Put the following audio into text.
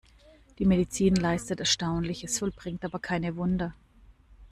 Die Medizin leistet Erstaunliches, vollbringt aber keine Wunder.